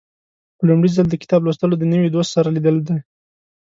په لومړي ځل د کتاب لوستل د نوي دوست سره لیدل دي.